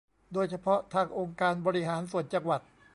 โดยเฉพาะทางองค์การบริหารส่วนจังหวัด